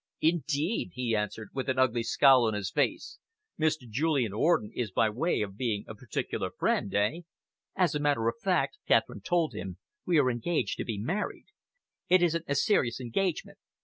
"Indeed?" he answered, with an ugly scowl on his face. "Mr. Julian Orden is by way of being a particular friend, eh?" "As a matter of fact," Catherine told him, "we are engaged to be married. It isn't a serious engagement.